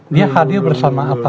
dia hadir bersama apa